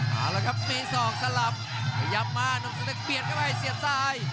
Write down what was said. เอาล่ะครับมีสองสลับพยายามมานุ่มสะเติกเปลี่ยนเข้าไปเสียบซ้าย